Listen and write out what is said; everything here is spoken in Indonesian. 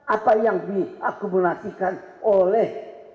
apa yang diakumulasikan oleh